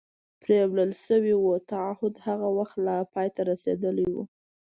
پرېولل شوي و، تعهد هغه وخت لا پای ته رسېدلی و.